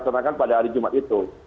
yang akan dilaksanakan pada hari jumat itu